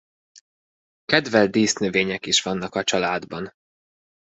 Kedvelt dísznövények is vannak a családban.